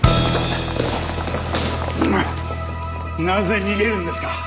なぜ逃げるんですか？